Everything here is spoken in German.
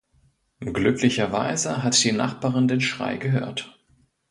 Glücklicherweise hat die Nachbarin den Schrei gehört.